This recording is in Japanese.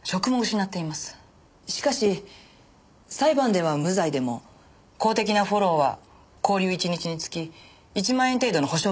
しかし裁判では無罪でも公的なフォローは勾留１日につき１万円程度の補償金だけ。